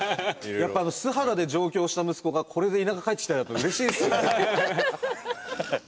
やっぱり素肌で上京した息子がこれで田舎帰ってきたらやっぱりうれしいですよね。